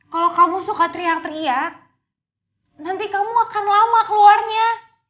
kalau kamu suka teriak teriak nanti kamu akan lama keluarnya